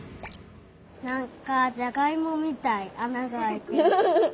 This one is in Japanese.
なんかじゃがいもみたいあながあいてて。